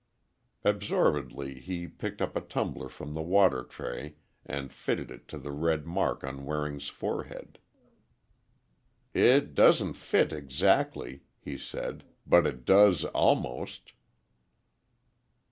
Absorbedly, he picked up a tumbler from the water tray, and fitted it to the red mark on Waring's forehead. "It doesn't fit exactly," he said, "but it does almost."